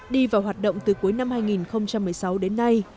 đi vào hoạt động từ cuối năm hai nghìn một mươi sáu đến nay